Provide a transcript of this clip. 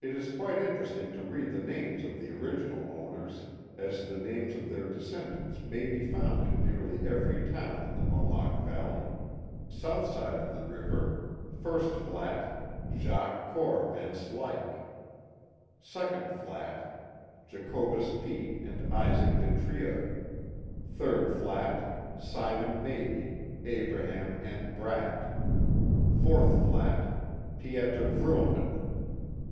It is quite interesting to read the names of the original owners, as the names of their descendants may be found in nearly .every, town in the Mohawk Valley. South side of the river: First flat: Jaques Cor. Van Slyke. Second flat: Jacobus Peek and Isaac De Trieux. Third flat: Simon Mabie, Abraham N. Bratt. Fourth flat : Pieter Vrooman.